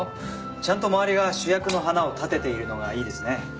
ちゃんと周りが主役の花を立てているのがいいですね。